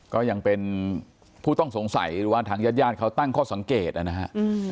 ก็ยังเป็นผู้ต้องสงสัยหรือว่าทางญาติญาติเขาตั้งข้อสังเกตนะฮะ